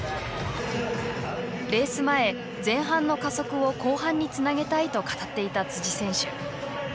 レース前前半の加速を後半につなげたいと語っていた選手。